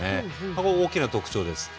ここが大きな特徴です。